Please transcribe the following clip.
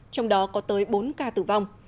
trong đó có tới bốn ca tử vong